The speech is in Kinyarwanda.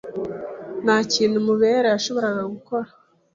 Nta kintu Mubera yashoboraga gukora.